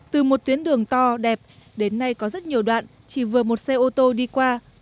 từ một tuyến đường to đẹp đến nay có rất nhiều đoạn chỉ vừa một xe ô tô đi qua